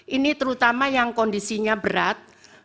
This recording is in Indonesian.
ini terutama yang kondisinya berat